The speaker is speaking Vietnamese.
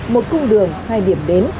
một cung đường hai điểm đến